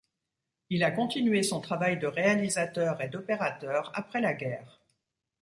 Il a continué son travail de réalisateur et d'opérateur après la guerre.